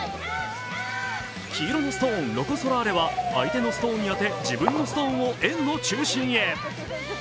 黄色のストーン、ロコ・ソラーレは相手のストーンに当て、自分のストーンを円の中心へ。